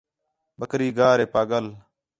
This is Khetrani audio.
بکری گار ہے پاڳل